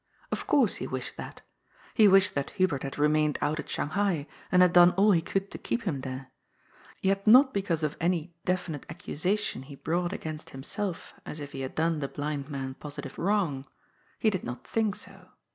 Of course he wished that He wished that Hubert had remained out at Shang hai, and had done all he could to keep him there. Yet not because of any definite accusation he brought against him self as if he had done the blind man positive wrong. He DOOMED. 361 did not think so.